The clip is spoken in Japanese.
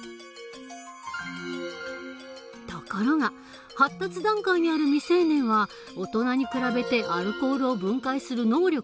ところが発達段階にある未成年は大人に比べてアルコールを分解する能力が弱い。